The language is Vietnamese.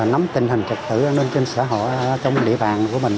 nắm tình hình trật thử lên trên xã hội trong địa bàn của mình